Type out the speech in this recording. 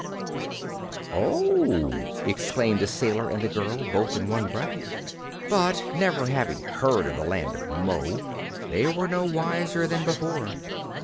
"Oh!" exclaimed the sailor and the girl, both in one breath. But, never having heard of the Land of Mo, they were no wiser than before.